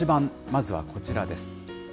まずはこちらです。